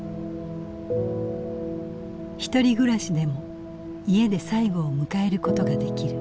ひとり暮らしでも家で最期を迎えることができる。